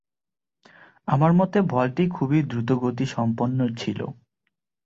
আমার মতে বলটি খুবই দ্রুতগতিসম্পন্ন ছিল।